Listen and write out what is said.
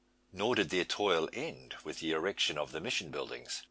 Nor did their toil end with the erection of the mission buildings.